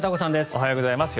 おはようございます。